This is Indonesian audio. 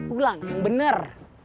ulang yang bener